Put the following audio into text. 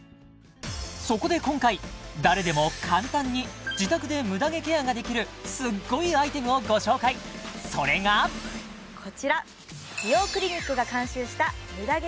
そこで今回誰でも簡単に自宅でムダ毛ケアができるすっごいアイテムをご紹介それがこちら